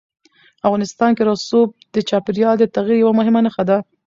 افغانستان کې رسوب د چاپېریال د تغیر یوه مهمه نښه ده.